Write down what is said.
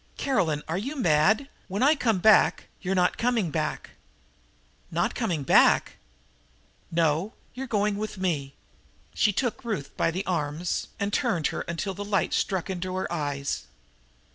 "Caroline, are you mad? When I come back " "You're not coming back." "Not coming back!" "No, you're going on with me!" She took Ruth by the arms and turned her until the light struck into her eyes.